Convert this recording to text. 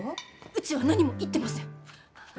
うちは何も言ってません。